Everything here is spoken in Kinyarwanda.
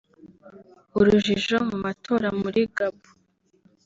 Urujijo mu matora muri Gabon